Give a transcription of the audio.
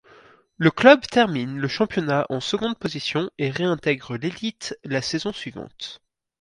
Le club termine le championnat en seconde position et réintègre l'élite la saison suivante.